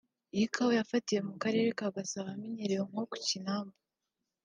iyi kawa yafatiwe mu karere ka Gasabo ahamenyerewe nko ku Kinamba